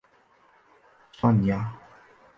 沙尼阿。